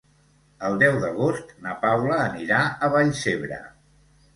El deu d'agost na Paula anirà a Vallcebre.